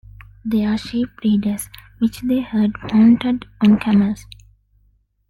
They are sheep breeders, which they herd mounted on camels.